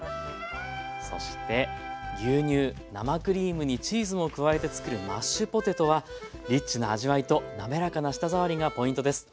そして牛乳生クリームにチーズも加えてつくるマッシュポテトはリッチな味わいと滑らかな舌触りがポイントです。